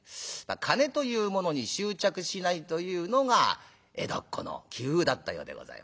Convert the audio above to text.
金というものに執着しないというのが江戸っ子の気風だったようでございますが。